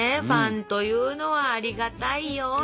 ファンというのはありがたいよ。